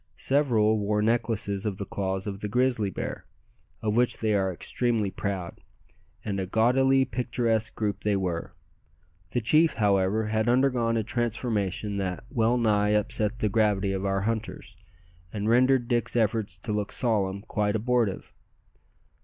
Several wore necklaces of the claws of the grizzly bear, of which they are extremely proud; and a gaudily picturesque group they were. The chief, however, had undergone a transformation that well nigh upset the gravity of our hunters, and rendered Dick's efforts to look solemn quite abortive.